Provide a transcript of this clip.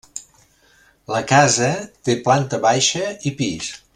La casa, té planta baixa i pis.